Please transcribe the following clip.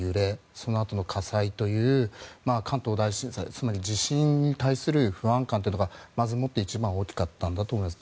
そのあとの火災という関東大震災の地震に対する不安感というのが一番大きかったんだと思います。